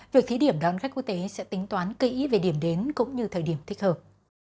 việc thí điểm đón khách quốc tế sẽ tính toán kỹ về điểm đến cũng như thời điểm thích hợp